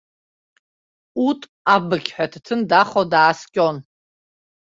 Ут абырқьҳәа аҭаҭын дахо дааскьон.